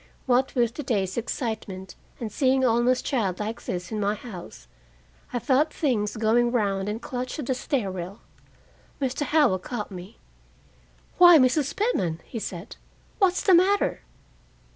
What with the day's excitement, and seeing Alma's child like this, in my house, I felt things going round and clutched at the stair rail. Mr. Howell caught me. "Why, Mrs. Pitman!" he said. "What's the matter?"